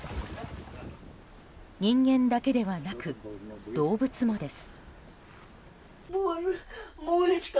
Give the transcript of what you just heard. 人間だけではなく動物もです。